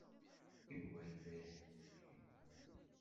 Yuba yella iḥemmel ccikula.